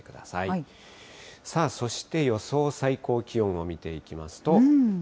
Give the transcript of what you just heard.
さあ、そして予想最高気温を見ていきますと。